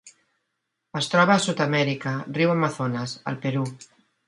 Es troba a Sud-amèrica: riu Amazones al Perú.